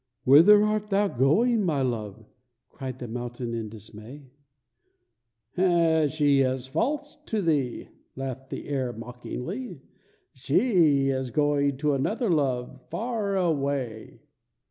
"Whither art thou going, my love?" cried the mountain in dismay. "She is false to thee," laughed the air, mockingly. "She is going to another love far away."